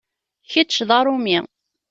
Kečč d aṛumi.